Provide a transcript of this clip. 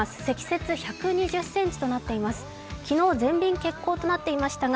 積雪１２０ｃｍとなっています。